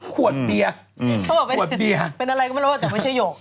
เป็นอะไรก็ไม่รู้เหรอแต่ไม่ใช่หยก